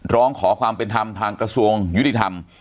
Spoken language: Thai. ร้องขอความเป็นธรรมทางกระทรวงยุติธรรม